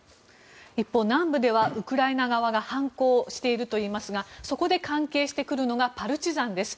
一方、南部ではウクライナ側が反抗しているといいますがそこで関係してくるのがパルチザンです。